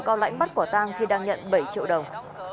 cao lãnh bắt quả tang khi đang nhận bảy triệu đồng